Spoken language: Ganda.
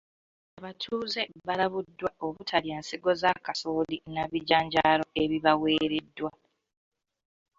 Abatuuze balabuddwa obutalya nsigo za kasooli na bijanjaalo ebibaweereddwa.